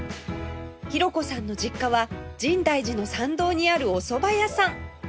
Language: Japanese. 弘子さんの実家は深大寺の参道にあるおそば屋さん